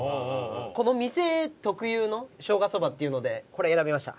この店特有のしょうがそばっていうのでこれ選びました。